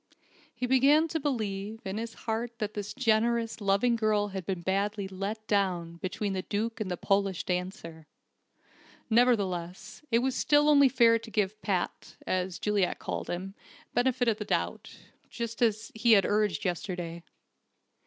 He began to believe, in his heart, that this generous, loving girl had been badly "let down," between the Duke and the Polish dancer. Nevertheless, it was still only fair to give "Pat" (as Juliet called him) the benefit of the doubt, just as he had urged yesterday.